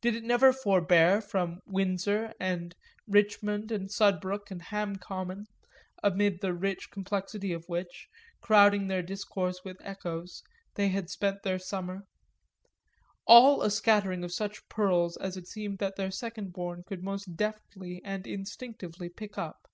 Did it never forbear from Windsor and Richmond and Sudbrook and Ham Common, amid the rich complexity of which, crowding their discourse with echoes, they had spent their summer? all a scattering of such pearls as it seemed that their second born could most deftly and instinctively pick up.